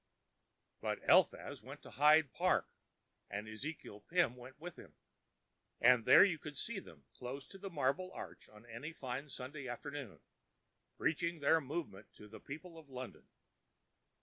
But Eliphaz went to Hyde Park and Ezekiel Pim went with him, and there you would see them close to the Marble Arch on any fine Sunday afternoon, preaching their Movement to the people of London.